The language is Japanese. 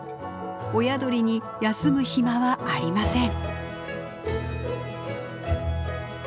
親鳥に休む暇はありません。